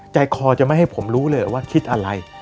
ใจคอจะไม่ให้ผมรู้เลยว่าคิดอะไร